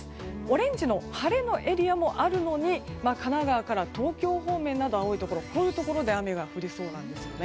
オレンジの晴れのエリアもあるのに神奈川から東京方面など青いところで雨が降りそうです。